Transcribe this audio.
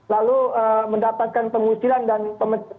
lalu mendapatkan pengusilan dan pemerintahan itu